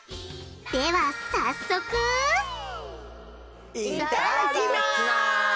では早速いただきます！